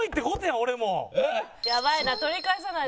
やばいな。